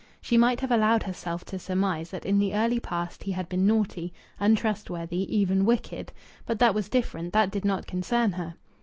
She might have allowed herself to surmise that in the early past he had been naughty, untrustworthy, even wicked but that was different, that did not concern her.